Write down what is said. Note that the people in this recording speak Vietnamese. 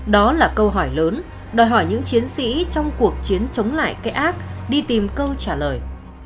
đó là câu hỏi lớn đòi hỏi những chiến sĩ trong cuộc chiến chống lại cái ác đi tìm câu trả lời